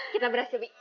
kita beras ya bibi